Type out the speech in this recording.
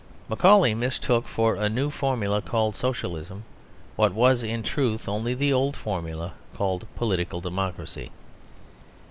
Macaulay mistook for a new formula called Socialism what was, in truth, only the old formula called political democracy.